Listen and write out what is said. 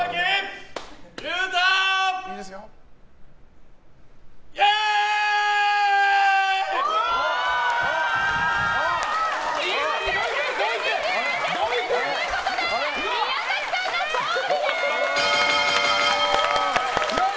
１２０デシベルということで宮崎さんの勝利です！